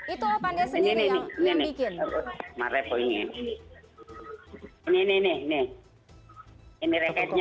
itu apaan yang sendiri yang bikin